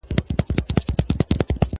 زه اجازه لرم چي کتاب وليکم،،